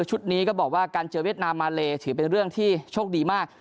ชุดนี้ก็บอกว่าการเจอเวียดนามมาเลถือเป็นเรื่องที่โชคดีมาก